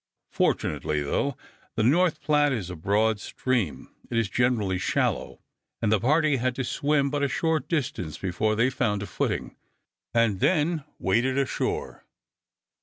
Fortunately, though the North Platte is a broad stream it is generally shallow, and the party had to swim but a short distance before they found a footing, and then waded ashore.